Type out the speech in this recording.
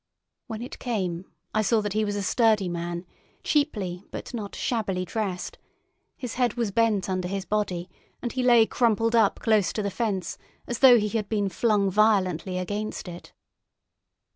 When it came, I saw that he was a sturdy man, cheaply but not shabbily dressed; his head was bent under his body, and he lay crumpled up close to the fence, as though he had been flung violently against it.